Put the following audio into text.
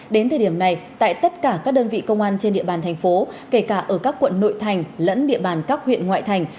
đến thời điểm này tại tất cả các đơn vị công an trên địa bàn thành phố kể cả ở các quận nội thành lẫn địa bàn các huyện ngoại thành